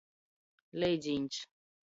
Leidzīņs.